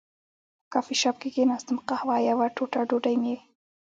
کافي شاپ کې کېناستم، قهوه او یوه ټوټه ډوډۍ مې.